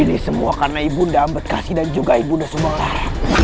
hal ini semua karena ibunya amat kasih dan juga ibunya semangat